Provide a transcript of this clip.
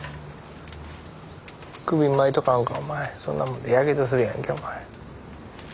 首巻いとかんかお前そんなもんでやけどするやんけお前。